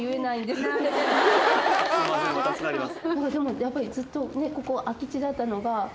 すいません助かります。